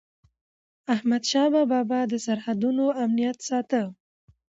احمدشاه بابا به د سرحدونو امنیت ساته.